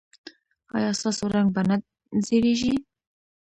ایا ستاسو رنګ به نه زیړیږي؟